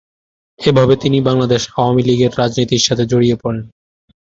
এভাবেই তিনি বাংলাদেশ আওয়ামী লীগের রাজনীতির সাথে জড়িয়ে পড়েন।